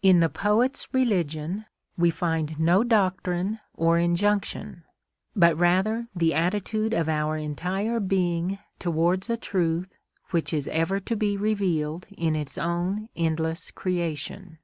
In the poet's religion we find no doctrine or injunction, but rather the attitude of our entire being towards a truth which is ever to be revealed in its own endless creation.